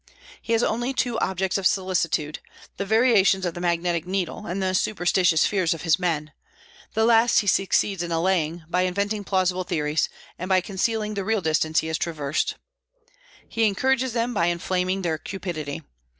He has only two objects of solicitude, the variations of the magnetic needle, and the superstitious fears of his men; the last he succeeds in allaying by inventing plausible theories, and by concealing the real distance he has traversed. He encourages them by inflaming their cupidity.